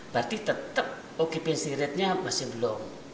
berarti tetap occupancy ratenya masih belum